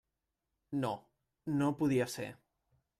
No, no podia ser.